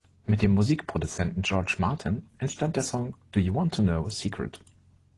Mit dem Musikproduzenten George Martin entstand der Song „Do You Want to Know a Secret?“